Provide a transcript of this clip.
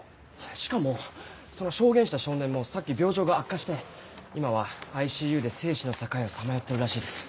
しかもその証言した少年もさっき病状が悪化して今はＩＣＵで生死の境をさまよってるらしいです。